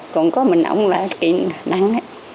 còn có mình ổng là nặng nè